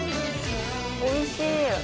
おいしい！